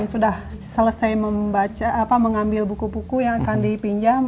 sudah selesai mengambil buku buku yang akan dipinjam